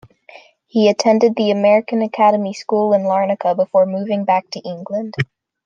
He attended the American Academy school in Larnaca before moving back to England.